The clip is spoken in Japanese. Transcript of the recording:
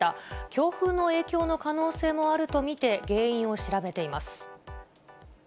強風の影響の可能性もあると見て、原因を調べています。